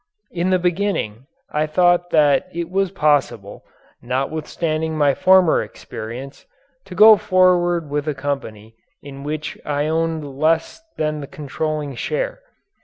In the beginning I thought that it was possible, notwithstanding my former experience, to go forward with a company in which I owned less than the controlling share.